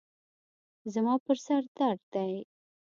زما پر سر درد دی.